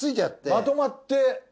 まとまって。